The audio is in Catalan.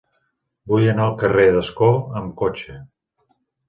Vull anar al carrer d'Ascó amb cotxe.